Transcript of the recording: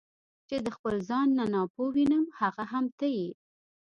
چې د خپل ځان نه ناپوه وینم هغه هم ته یې.